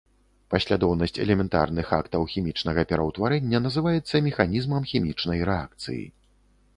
Паслядоўнасць элементарных актаў хімічнага пераўтварэння называецца механізмам хімічнай рэакцыі.